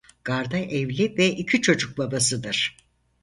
Garda evli ve iki çocuk babasıdır.